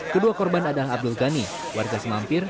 kedua korban adalah abdul ghani warga semampir